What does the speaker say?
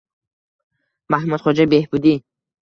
“Mahmudxo‘ja Behbudiy”